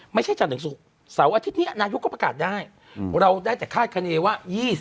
ไม่ใช่จันทร์ถึงศุกร์เสาร์อาทิตย์นี้นายกก็ประกาศได้เราได้แต่คาดคณีว่า